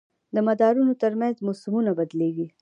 د مدارونو تر منځ موسمونه بدلېږي.